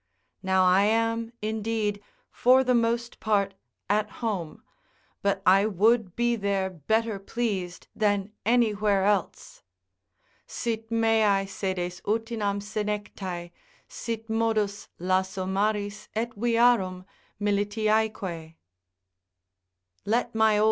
Now I am, indeed, for the most part at home; but I would be there better pleased than anywhere else: "Sit meae sedes utinam senectae, Sit modus lasso maris, et viarum, Militiaeque."